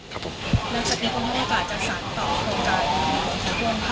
และสักนี้คงมีโอกาสจะสั่งต่อคนไกล